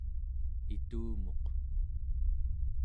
itumuq